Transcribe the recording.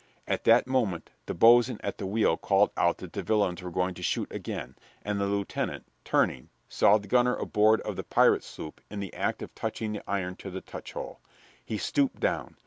At that moment the boatswain at the wheel called out that the villains were going to shoot again, and the lieutenant, turning, saw the gunner aboard of the pirate sloop in the act of touching the iron to the touchhole. He stooped down.